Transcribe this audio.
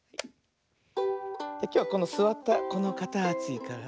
きょうはこのすわったこのかたちから。